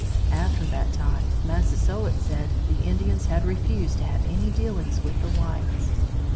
After that time, Massasoit said, the Indians had refused to have any dealings with the whites.